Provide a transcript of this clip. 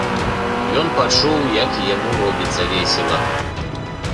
Ён пачуў, як і яму робіцца весела.